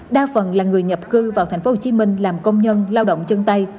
đa phần là người nhập cư vào tp hcm làm công nhân lao động chân tay